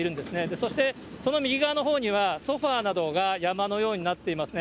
そしてその右側のほうには、ソファーなどが山のようになってますね。